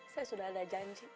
saya sudah ada janji